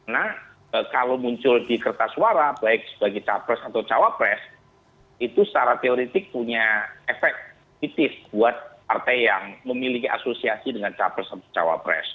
nah kalau muncul di kertas suara baik sebagai capres atau cawapres itu secara teoretik punya efek titis buat partai yang memiliki asosiasi dengan capres atau cawapres